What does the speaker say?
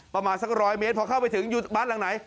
ประมาณสัก๑๐๐เมตรพอเข้าไปถึงอยู่บ้านหลังไหน